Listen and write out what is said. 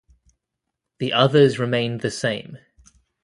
The others remained the same.